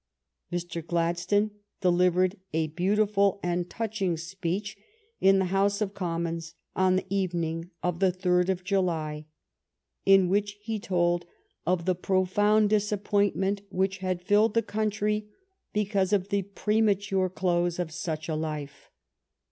Mr. Gladstone delivered a beautiful and touching speech in the House of Commons on the evening of the third of July, in which he told of the profound disappointment which had filled the country because of the premature close of such a life.